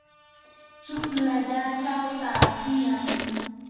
chuklallachaw taakuyan.